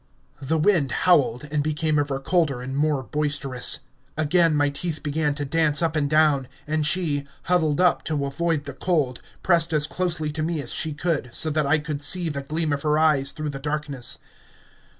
The wind howled, and became ever colder and more boisterous... Again my teeth began to dance up and down, and she, huddled up to avoid the cold, pressed as closely to me as she could, so that I could see the gleam of her eyes through the darkness.